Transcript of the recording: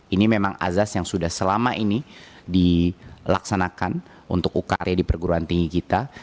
ini memang azas yang sudah selama ini dilaksanakan untuk ukr di perguruan tinggi kita